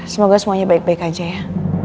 semoga semuanya baik baik aja ya